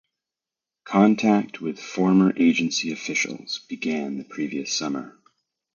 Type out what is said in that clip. Contact with former agency officials began the previous summer.